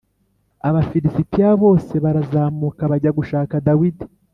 Abafilisitiya bose barazamuka bajya gushaka Dawidi.